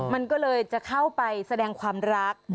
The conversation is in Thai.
มันก็เลยจะเข้าไปแสดงความรัก